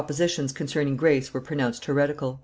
Five propositions concerning grace were pronounced heretical.